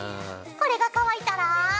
これが乾いたら。